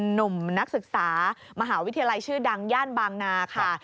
หนุ่มนักศึกษามหาวิทยาลัยชื่อดังย่านบางนาค่ะ